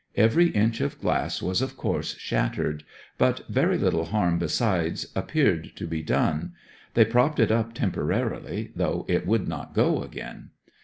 Every inch of glass was, of course, shattered, but very little harm besides appeared to be done. They propped it up temporarily, though it would not go again.